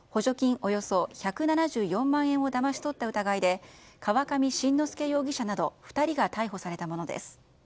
およそ１７４万円をだまし取った疑いで河上伸之輔容疑者など２人が逮捕されたものです。